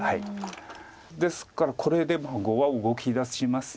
ですからこれで碁は動きだします。